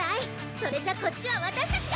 それじゃこっちはわたしたちが！